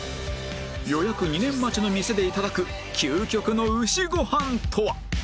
予約２年待ちの店で頂く究極の牛ご飯とは？